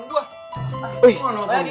ini kenapa rifki nyelepon gue